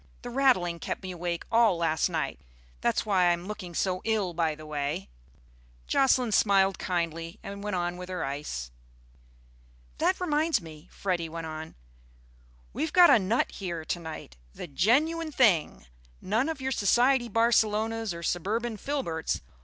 The rattling kept me awake all last night. That's why I'm looking so ill, by the way." Jocelyn smiled kindly and went on with her ice. "That reminds me," Freddy went on, "we've got a nut here to night. The genuine thing. None of your society Barcelonas or suburban Filberts.